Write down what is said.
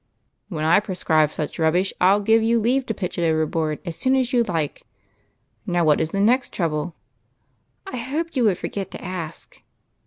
" When I prescribe such rubbish, I '11 give you leave to pitch it overboard as soon as you like. Now what is the next trouble ?"" I hoped you would forget to ask."